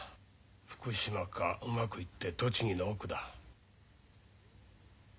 福島かうまくいって栃木の奥だ。